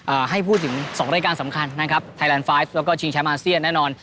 เอ่อให้พูดถึงสองรายการสำคัญนะครับไทยแลนด์แล้วก็แน่นอน